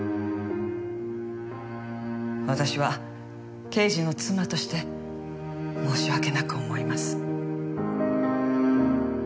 私は刑事の妻として申し訳なく思います。